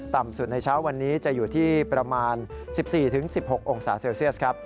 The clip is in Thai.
ต่ำสุดในเช้าวันนี้จะอยู่ที่ประมาณ๑๔๑๖องศาเซลเซียสครับ